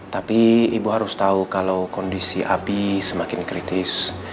tapi ibu harus tahu kalau kondisi api semakin kritis